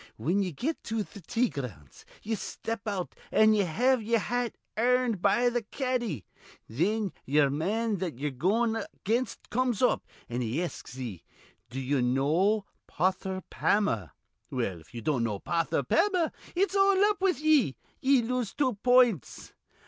Whin ye get to th' tea grounds, ye step out, an' have ye'er hat irned be th' caddie. Thin ye'er man that ye're goin' aginst comes up, an' he asks ye, 'Do you know Potther Pammer?' Well, if ye don't know Potther Pammer, it's all up with ye: ye lose two points.